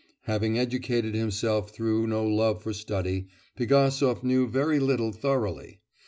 Having educated himself through no love for study, Pigasov knew very little thoroughly.